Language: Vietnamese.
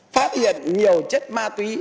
phát hiện nhiều chất ma túy